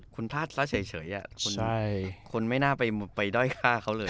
คุณพลาดซะเฉยคนไม่น่าไปด้อยฆ่าเขาเลย